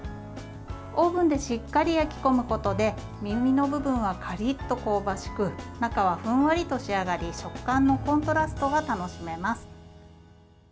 オーブンでしっかり焼き込むことで耳の部分はカリッと香ばしく中はふんわりと仕上がり食感のコントラストが楽しめます。